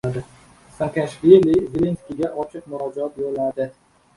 Saakashvili Zelenskiyga ochiq murojaat yo‘lladi